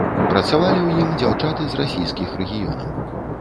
Працавалі ў ім дзяўчаты з расійскіх рэгіёнаў.